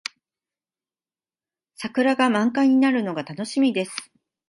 桜が満開になるのが楽しみです。